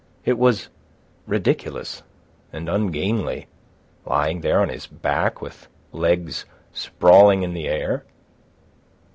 It was ridiculous and ungainly, lying there on his back with legs sprawling in the air.